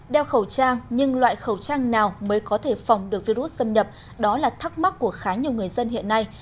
đeo khẩu trang nhưng loại khẩu trang nào mới có thể phòng được virus xâm nhập đó là thắc mắc của khá nhiều người dân hiện nay